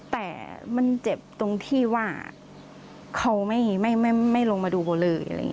แต่มันเจ็บตรงที่ว่าเขาไม่ลงมาดูโบเลย